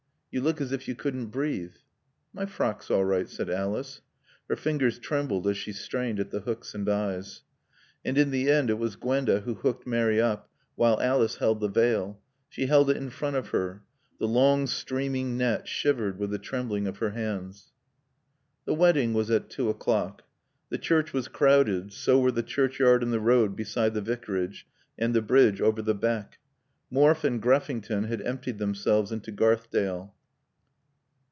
You look as if you couldn't breathe." "My frock's all right," said Alice. Her fingers trembled as she strained at the hooks and eyes. And in the end it was Gwenda who hooked Mary up while Alice held the veil. She held it in front of her. The long streaming net shivered with the trembling of her hands. The wedding was at two o'clock. The church was crowded, so were the churchyard and the road beside the Vicarage and the bridge over the beck. Morfe and Greffington had emptied themselves into Garthdale.